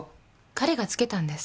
彼がつけたんです。